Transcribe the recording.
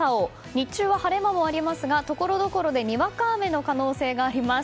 日中は晴れ間もありますがところどころでにわか雨の可能性があります。